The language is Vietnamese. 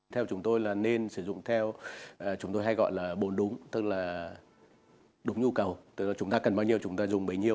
theo chúng tôi là nên sử dụng theo chúng tôi hay gọi là bốn đúng tức là đúng nhu cầu tức là chúng ta cần bao nhiêu chúng ta dùng bấy nhiêu